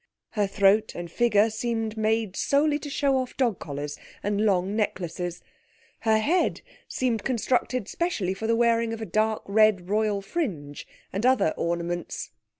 Her throat and figure seemed made solely to show off dog collars and long necklaces; her head seemed constructed specially for the wearing of a dark red royal fringe and other ornaments.